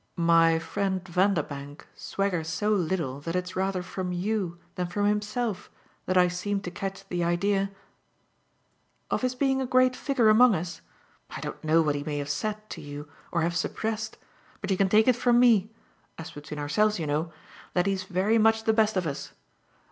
"My friend Vanderbank swaggers so little that it's rather from you than from himself that I seem to catch the idea !" "Of his being a great figure among us? I don't know what he may have said to you or have suppressed; but you can take it from me as between ourselves, you know that he's very much the best of us.